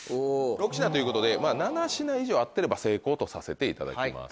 ６品ということで７品以上合ってれば成功とさせていただきます。